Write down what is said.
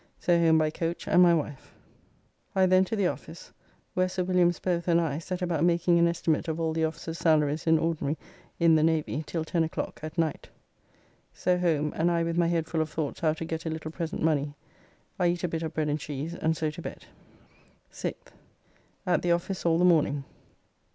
So home by coach and my wife. I then to the office, where Sir Williams both and I set about making an estimate of all the officers' salaries in ordinary in the Navy till 10 o'clock at night. So home, and I with my head full of thoughts how to get a little present money, I eat a bit of bread and cheese, and so to bed. 6th. At the office all the morning.